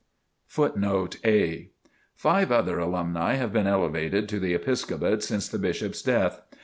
Footnote A: Five other alumni have been elevated to the Episcopate since the Bishop's death.